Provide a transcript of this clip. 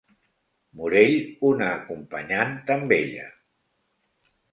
Morell una acompanyant tan bella.